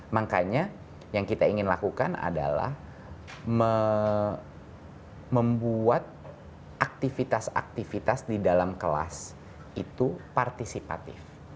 makanya yang kita ingin lakukan adalah membuat aktivitas aktivitas di dalam kelas itu partisipatif